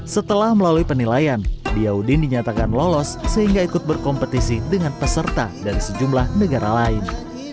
setelah melalui penilaian diyaudin dinyatakan lolos sehingga ikut berkompetisi dengan peserta dari sejumlah negara lain